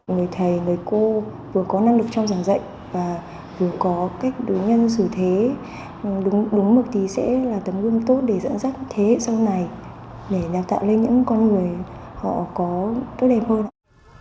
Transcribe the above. người thầy người cô vừa có năng lực trong giảng dạy và vừa có cách đối nhân xử thế đúng mực thì sẽ là tấm gương tốt để dẫn dắt thế hệ sau này để đào tạo lên những con người họ có tốt đẹp hơn